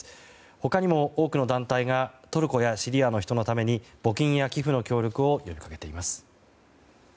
他にも多くの団体がトルコやシリアの人のために募金や寄付の協力を呼び掛けています。